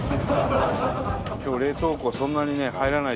今日冷凍庫そんなに入らない。